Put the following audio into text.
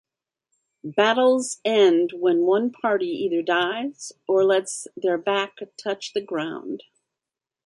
Battles end when one party either dies or lets their back touch the ground.